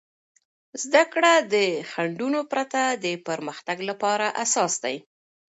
زده کړه د خنډونو پرته د پرمختګ لپاره اساس دی.